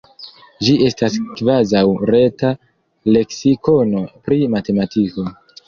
Ĝi estas kvazaŭ reta leksikono pri matematiko.